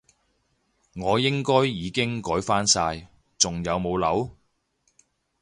我應該已經改返晒，仲有冇漏？